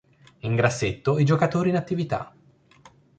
In grassetto i giocatori in attività.